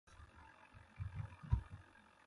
رُولوْ منُگوڙوْس گہ تومیْ حق نہ پھتِینوْ۔